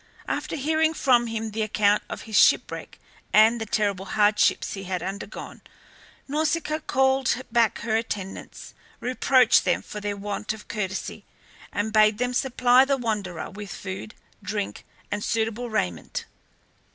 After hearing from him the account of his shipwreck and the terrible hardships he had undergone, Nausicaa called back her attendants, reproached them for their want of courtesy, and bade them supply the wanderer with food, drink, and suitable raiment.